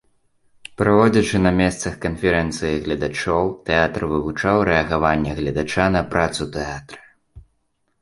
Праводзячы на месцах канферэнцыі гледачоў, тэатр вывучаў рэагаванне гледача на працу тэатра.